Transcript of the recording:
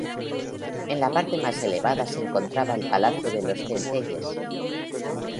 En la parte más elevada se encontraba el palacio de los Centelles.